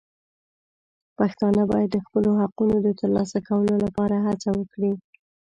پښتانه باید د خپلو حقونو د ترلاسه کولو لپاره هڅه وکړي.